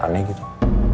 hal hal aneh gitu